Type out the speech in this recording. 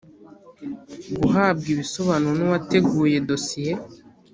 guhabwa ibisobanuro n uwateguye dosiye